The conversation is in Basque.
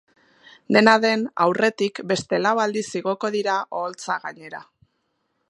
Dena den, aurretik, beste lau aldiz igoko dira oholtza gainera.